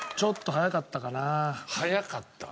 早かった？